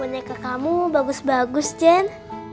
wah boneka kamu bagus bagus jen